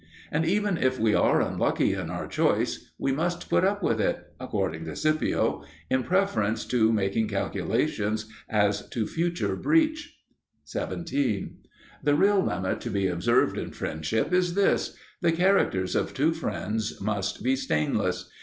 And even if we are unlucky in our choice, we must put up with it according to Scipio in preference to making calculations as to a future breach. 17. The real limit to be observed in friendship is this: the characters of two friends must be stainless.